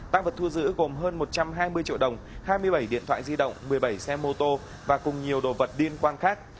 tăng vật thu giữ gồm hơn một trăm hai mươi triệu đồng hai mươi bảy điện thoại di động một mươi bảy xe mô tô và cùng nhiều đồ vật liên quan khác